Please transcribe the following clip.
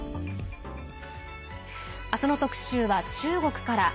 明日の特集は中国から。